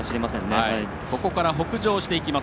ここから北上していきます